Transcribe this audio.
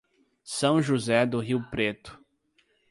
São José do Rio Preto